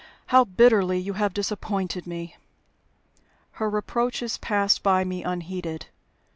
How bitterly you have disappointed me!" Her reproaches passed by me unheeded.